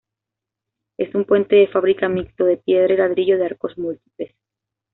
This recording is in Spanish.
Es un puente de fábrica mixto, de piedra y ladrillo, de arcos múltiples.